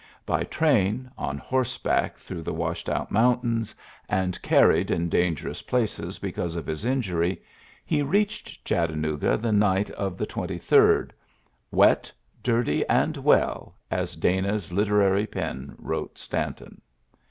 By train, on horseba through the washed out mountains, a ULYSSES S. GEAJ^ 85 carried in dangerous places because of his iiyury^ lie readied Chattanooga the night of the 23d, ^'wet, dirty, and well,'' as Dana's literary pen wrote Stanton.